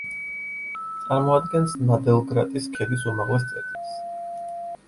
წარმოადგენს ნადელგრატის ქედის უმაღლეს წერტილს.